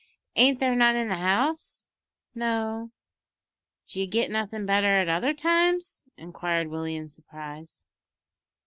"Ain't there none in the house?" "No." "D'ye git nothin' better at other times?" inquired Willie in surprise.